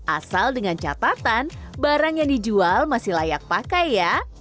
asal dengan catatan barang yang dijual masih layak pakai ya